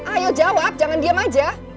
ayo jawab jangan diam aja